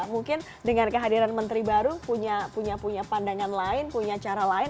mungkin dengan kehadiran menteri baru punya pandangan lain punya cara lain